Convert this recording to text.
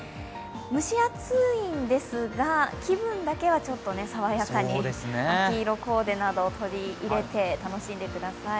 蒸し暑いんですが、気分だけはちょっと爽やかに秋色コーデなんかを取り入れてください。